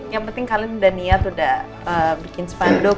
yang penting kalian udah niat udah bikin sepanduk